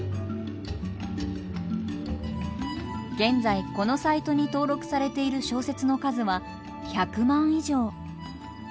現在このサイトに登録されている小説の数は１００万以上。